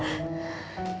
mama nggak kabar ya